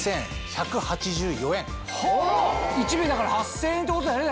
１尾８０００円ってことだよね